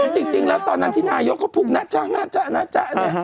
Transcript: จริงแล้วตอนนั้นที่นายกก็พูดนาจ้านาจ้านาจ้า